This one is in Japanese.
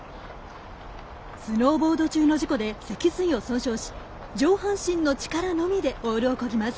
スノーボード中の事故で脊髄を損傷し上半身の力のみでオールをこぎます。